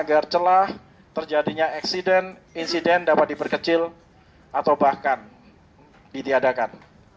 setelah terjadinya insiden dapat diperkecil atau bahkan didiadakan